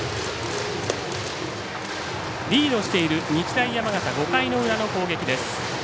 リードしている日大山形、５回の裏の攻撃です。